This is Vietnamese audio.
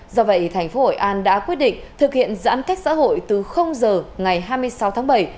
do vậy thành phố hội an đã quyết định thực hiện giãn cách xã hội từ giờ ngày hai mươi sáu tháng bảy